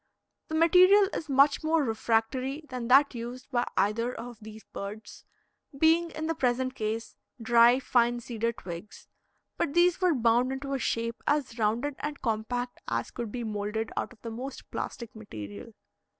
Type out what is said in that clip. The material is much more refractory than that used by either of these birds, being, in the present case, dry, fine cedar twigs; but these were bound into a shape as rounded and compact as could be moulded out of the most plastic material.